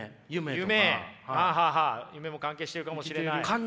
夢も関係してるかもしれない。